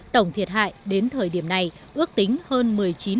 tổng thiệt hại đến thời điểm này ước tính hơn một mươi chín tỷ đồng